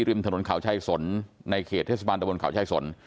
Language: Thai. โดนคนร้ายขับรถทนด้วยนะฮะ